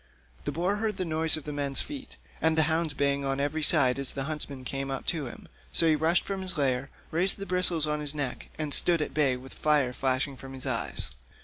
The boar heard the noise of the men's feet, and the hounds baying on every side as the huntsmen came up to him, so he rushed from his lair, raised the bristles on his neck, and stood at bay with fire flashing from his eyes.